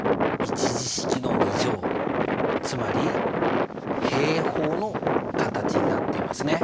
１次式の２乗つまり平方の形になっていますね。